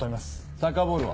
サッカーボールは？